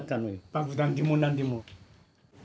爆弾でも何でも。